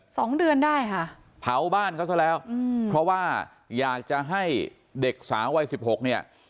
สองเดือนได้ค่ะเผาบ้านเขาซะแล้วอืมเพราะว่าอยากจะให้เด็กสาววัยสิบหกเนี่ย